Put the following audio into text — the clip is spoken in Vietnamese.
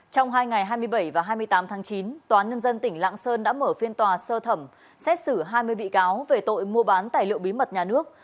trong hai ngày hai mươi bảy và hai mươi tám tháng chín tòa nhân dân tỉnh lạng sơn đã mở phiên tòa sơ thẩm xét xử hai mươi bị cáo về tội mua bán tài liệu bí mật nhà nước